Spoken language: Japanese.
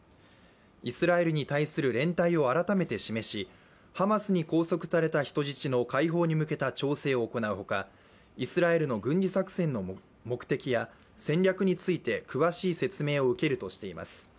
イスラエルに対する連帯を改めて示しハマスに拘束された人質の解放に向けた調整を行うほかイスラエルの軍事作戦の目的や戦略について詳しい説明を受けるとしています。